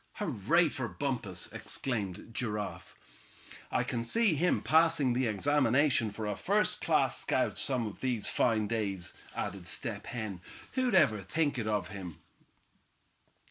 "Hurray for Bumpus!" exclaimed Giraffe. "I can see him passing the examination for a first class scout some of these fine days," added Step Hen. "Who'd ever think it of him?"